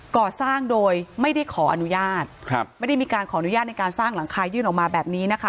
ก่อสร้างโดยไม่ได้ขออนุญาตครับไม่ได้มีการขออนุญาตในการสร้างหลังคายื่นออกมาแบบนี้นะคะ